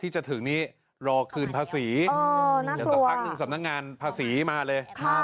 ที่จะถึงนี้รอคืนภาษีเดี๋ยวสักพักหนึ่งสำนักงานภาษีมาเลย